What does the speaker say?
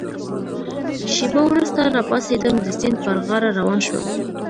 شېبه وروسته را پاڅېدم، د سیند پر غاړه روان شوم.